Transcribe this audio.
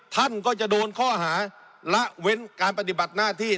ท่านก็จะโดนข้อหาละเว้นการปฏิบัติหน้าที่